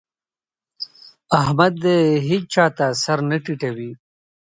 احمد هيچا ته سر نه ټيټوي.